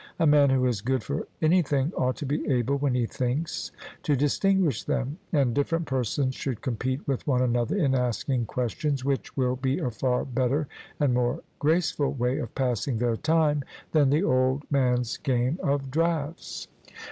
A man who is good for anything ought to be able, when he thinks, to distinguish them; and different persons should compete with one another in asking questions, which will be a far better and more graceful way of passing their time than the old man's game of draughts.